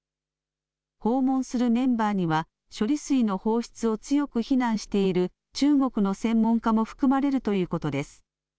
訪問するメンバーには処理水の放出を強く非難している中国の専門家も含まれるということです。